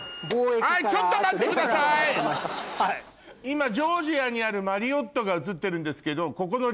今ジョージアにあるマリオットが映ってるんですけどここの。